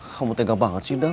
kamu tega banget sih dah